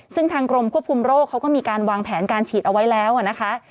ซึ่งทางกรมควบคุมโรคเขาก็มีการวางแผนการฉีดเอาไว้แล้วนะคะ